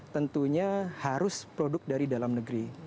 tentunya harus produk dari dalam negeri